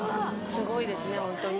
すごいですねホントに。